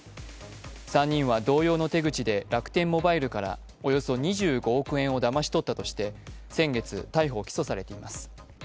３人は同様の手口で楽天モバイルからおよそ２５億円をだまし取ったとして、先月、逮捕・起訴されています。